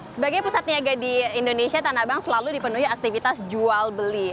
sebagai pusat niaga di indonesia tanah bank selalu dipenuhi aktivitas jual beli